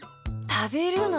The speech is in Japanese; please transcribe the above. たべるの？